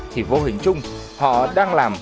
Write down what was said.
thì vô hình chung họ đang làm